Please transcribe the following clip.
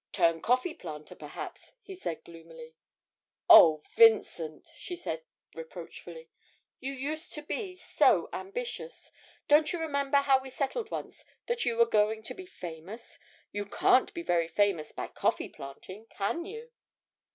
'Turn coffee planter, perhaps,' he said gloomily. 'Oh, Vincent!' she said reproachfully, 'you used to be so ambitious. Don't you remember how we settled once that you were going to be famous? You can't be very famous by coffee planting, can you?'